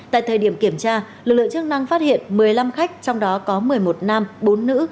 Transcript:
tại thời điểm kiểm tra lực lượng chức năng phát hiện một mươi năm khách trong đó có một mươi một nam bốn nữ